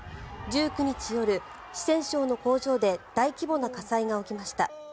１９日夜、四川省の工場で大規模な火災が起きました。